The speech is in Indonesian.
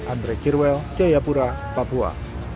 andre kirwel jayapura papua